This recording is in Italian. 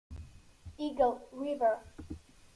Eagle River